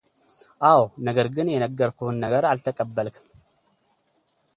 አዎ ነገር ግን የነገርኩህን ነገር አልተቀበልክም፡፡